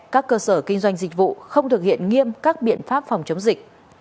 các cơ sở kinh doanh dịch vụ không thực hiện nghiêm các biện pháp phòng chống dịch